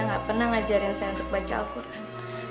gak pernah ngajarin saya untuk baca al quran